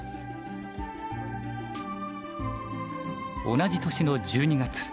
同じ年の１２月。